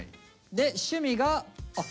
で趣味があ！